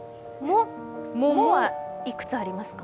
「も」はいくつありますか？